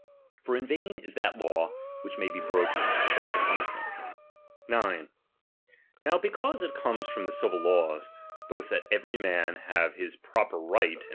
For in vain is that law, which J^Q ay be broken without punishment. 9. Now because it comes from the civil laws, Thaprecppis tfccjth that every man have his proper right and "f^c^M^^p"